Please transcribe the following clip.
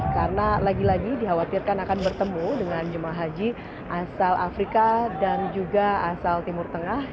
karena lagi lagi dikhawatirkan akan bertemu dengan jemaah haji asal afrika dan juga asal timur tengah